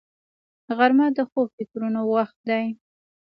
غرمه د ښو فکرونو وخت دی